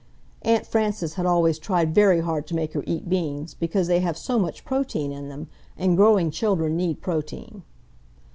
Aunt Frances had always tried very hard to make her eat beans because they have so much protein in them, and growing children need protein.